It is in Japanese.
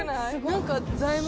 何か。